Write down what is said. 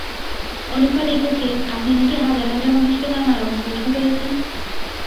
অনুফা লিখেছে, আপনি নাকি হাজার-হাজার মানুষকে নানা রকম প্রশ্ন করেছেন।